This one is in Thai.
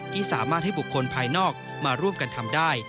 ที่สามารถให้บุคคลภายนอกมาร่วมกันทำได้